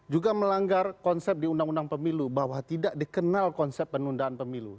juga melanggar konsep di undang undang pemilu bahwa tidak dikenal konsep penundaan pemilu